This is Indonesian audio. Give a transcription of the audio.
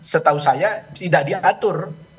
setahu saya tidak diatur